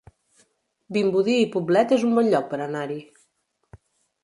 Vimbodí i Poblet es un bon lloc per anar-hi